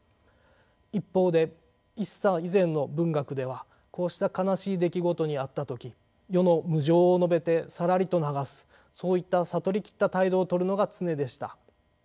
一方で一茶以前の文学ではこうした悲しい出来事に遭った時世の無常を述べてさらりと流すそういった悟り切った態度をとるのが常でした。